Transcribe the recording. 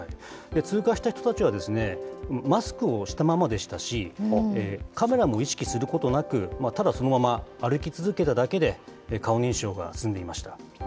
通過した人たちは、マスクをしたままでしたし、カメラも意識することなく、ただそのまま歩き続けただけで、顔認証が済んでいました。